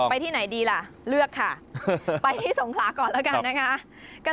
ที่ไหนดีล่ะเลือกค่ะไปที่สงขลาก่อนแล้วกันนะคะ